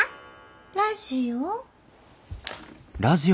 ラジオ？